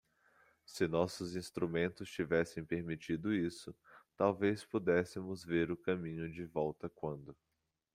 Se nossos instrumentos tivessem permitido isso, talvez pudéssemos ver o caminho de volta quando.